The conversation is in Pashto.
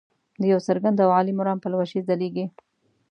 د یو څرګند او عالي مرام پلوشې ځلیږي.